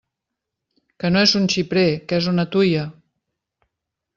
Que no és un xiprer, que és una tuia!